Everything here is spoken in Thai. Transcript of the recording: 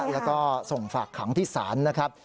แล้วก็ส่งฝากขังที่ศาลนะครับ